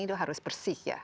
itu harus bersih ya